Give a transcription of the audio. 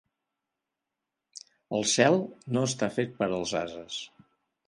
El cel no està fet per als ases.